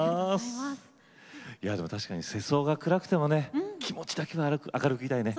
でも確かに世相が暗くてもね気持ちだけは明るくいたいね。